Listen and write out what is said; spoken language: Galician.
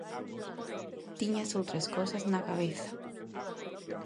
Tiñas outras cousas na cabeza!